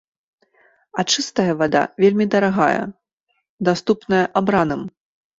А чыстая вада вельмі дарагая, даступная абраным.